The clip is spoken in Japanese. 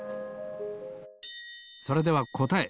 それではこたえ。